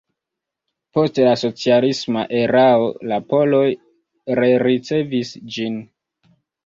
Post la socialisma erao la poloj rericevis ĝin.